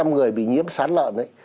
người bị nhiễm sán lợn